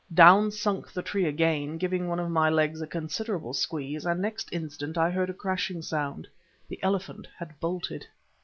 Down sunk the tree again, giving one of my legs a considerable squeeze, and next instant I heard a crashing sound. The elephant had bolted.